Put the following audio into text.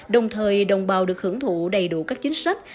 đồng thời đồng bào được hưởng thụ đầy đủ các chính sách